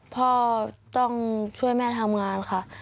พ่อต้องช่วยแม่ทำงานค่ะ